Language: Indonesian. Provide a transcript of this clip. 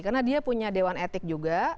karena dia punya dewan etik juga